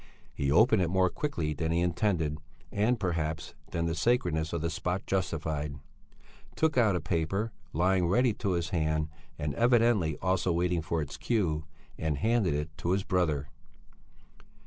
He opened it more quickly than he intended and, perhaps, than the sacredness of the spot justified, took out a paper lying ready to his hand and evidently also waiting for its cue, and handed it to his brother.